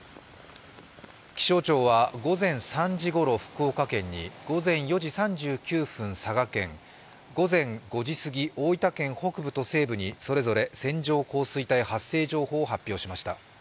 気象庁は午前３時ごろ福岡県に午前４時３９分、佐賀県、午前５時過ぎ、大分県北部と西部にそれぞれ線状降水帯発生情報を発表しました。